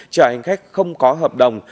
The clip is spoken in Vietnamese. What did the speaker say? trợ hành khách không có hợp đồng